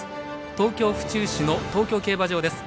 東京・府中市の東京競馬場です。